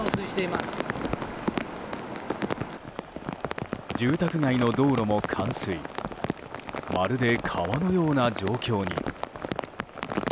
まるで川のような状況に。